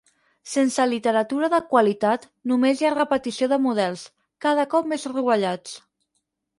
Sense literatura de qualitat només hi ha repetició de models, cada cop més rovellats.